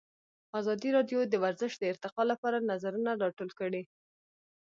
ازادي راډیو د ورزش د ارتقا لپاره نظرونه راټول کړي.